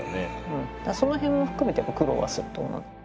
その辺も含めて苦労はすると思う。